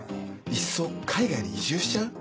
いっそ海外に移住しちゃう？